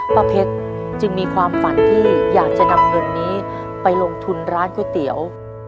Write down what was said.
ป้าเพชรจึงมีความฝันที่อยากจะนำเงินนี้ไปลงทุนร้านก๋วยเตี๋ยว